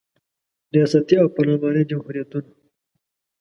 ریاستي او پارلماني جمهوریتونه